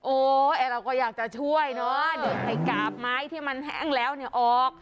เราก็อยากจะช่วยเนอะเดี๋ยวให้กาบไม้ที่มันแห้งแล้วเนี่ยออก